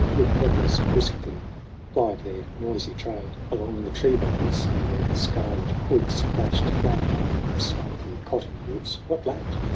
Woodpeckers briskly plied their noisy trade JAMIE 113 Along the tree boles, and their scarlet hoods Flashed flame like in the smoky cottonwoods. What lacked